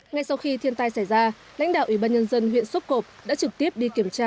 ngay sau khi thiên tai xảy ra lãnh đạo ủy ban nhân dân huyện sốp cộp đã trực tiếp đi kiểm tra